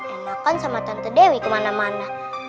dimakan sama tante dewi kemana mana